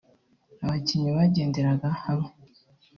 abakinnyi bagenderaga hamwe